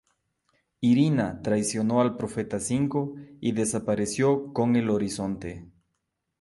Irina traicionó al Profeta Cinco y desapareció con el Horizonte.